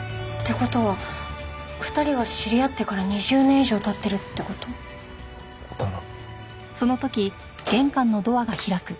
事は２人は知り合ってから２０年以上経ってるって事？だな。